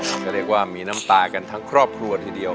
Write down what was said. ก็เรียกว่ามีน้ำตากันทั้งครอบครัวทีเดียว